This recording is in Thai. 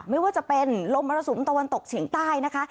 ไม่ว่าจะเป็นลมมรสุมตะวันตกเฉียงใต้นะคะ